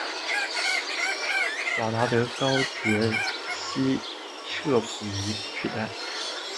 戈达德高解析摄谱仪取代。